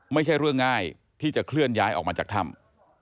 ไม่ใช่เรื่องง่ายที่จะเคลื่อนย้ายออกมาจากถ้ำ